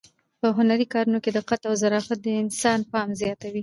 په هنري کارونو کې دقت او ظرافت د انسان پام زیاتوي.